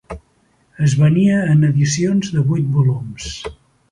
Es venia en edicions de vuit volums.